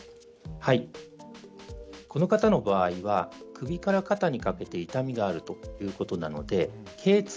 この方の場合は首から肩にかけて痛みがあるということなのでけい椎